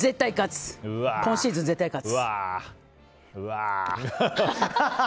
今シーズン絶対勝つ。